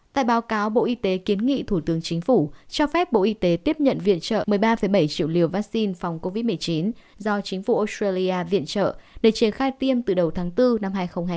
tại báo cáo bộ y tế kiến nghị thủ tướng chính phủ cho phép bộ y tế tiếp nhận viện trợ một mươi ba bảy triệu liều vaccine phòng covid một mươi chín do chính phủ australia viện trợ để triển khai tiêm từ đầu tháng bốn năm hai nghìn hai mươi hai